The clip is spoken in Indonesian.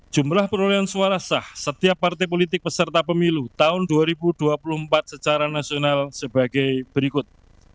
jumlah perolehan suara sah setiap partai politik peserta pemilu tahun dua ribu dua puluh empat secara nasional sebagai berikut